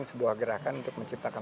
sebuah gerakan untuk menciptakan